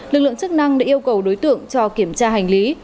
lực lượng chức năng đã yêu cầu đối tượng cho kiểm tra hành lý